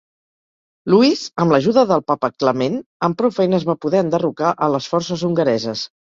Louis, amb l'ajuda del Papa Clement, amb prou feines va poder enderrocar a les forces hongareses.